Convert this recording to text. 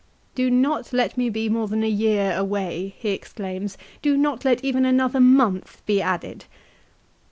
" Do not let me be more than a year away," he exclaims. " Do not let even another month be added."